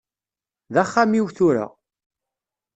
D axxam-iw tura.